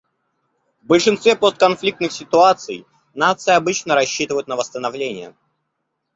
В большинстве постконфликтных ситуаций нации обычно рассчитывают на восстановление.